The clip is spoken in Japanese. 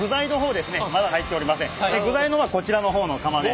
具材の方はこちらの方の釜で。